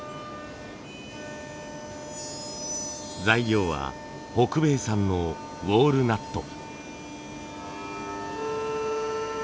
材料は北米産のウォールナット。